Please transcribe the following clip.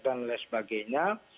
dan lain sebagainya